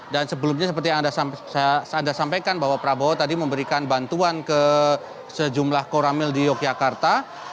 dan sebelumnya seperti yang anda sampaikan bahwa prabowo tadi memberikan bantuan ke sejumlah koramil di yogyakarta